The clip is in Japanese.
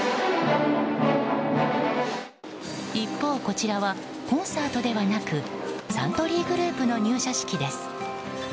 一方、こちらはコンサートではなくサントリーグループの入社式です。